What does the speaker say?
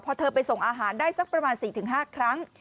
พอเธอไปส่งอาหารได้สักประมาณ๔๕ครั้ง